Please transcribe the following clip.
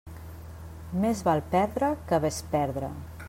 Més val perdre que besperdre.